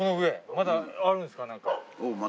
まだあるんですかね。